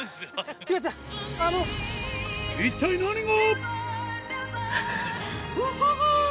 一体何が？